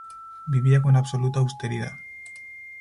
Vivía con absoluta austeridad.